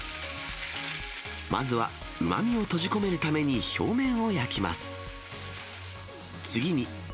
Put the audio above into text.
まずはうまみを閉じ込めるために表面を焼きます。